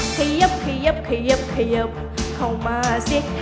เขยับเขยับเขยับเขยับเข้ามาสิ